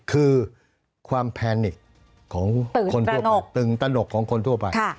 คือความแพนิกของคนทั่วออกตึงตนกของคนทั่วไป